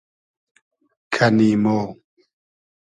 کئنی مۉ